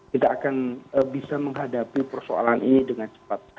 kita akan bisa menghadapi persoalan ini dengan cepat